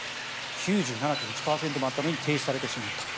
９７．１％もあったのに停止されてしまったと。